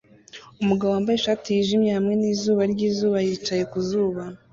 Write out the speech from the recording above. Umugabo wambaye ishati yijimye hamwe nizuba ryizuba yicaye ku zuba